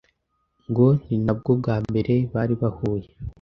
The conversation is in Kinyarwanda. ngo ni nabwo bwa mbere bari bahuye,